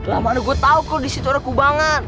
lamanya gue tau kok disitu ada kubangan